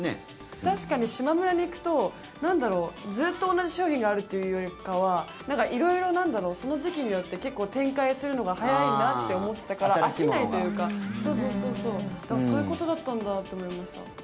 確かにしまむらに行くとずっと同じ商品があるというよりかはその時期によって展開するのが速いなって思ってたから飽きないというかだからそういうことだったんだと思いました。